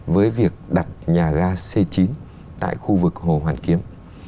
với việc đặt nhà ga c chín tại khu vực hồ hoàn kiếm